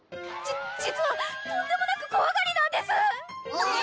じ実はとんでもなくこわがりなんです！